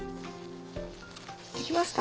できました。